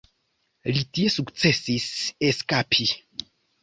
Li tie sukcesis eskapi.